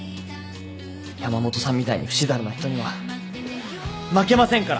山本さんみたいにふしだらな人には負けませんから！